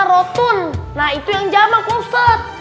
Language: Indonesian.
rotun nah itu yang jama'ku set